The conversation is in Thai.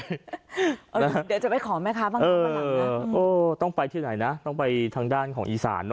เดี๋ยวจะไปขอแม่ค้าบางทีมาหลังนะต้องไปที่ไหนนะต้องไปทางด้านของอีสาน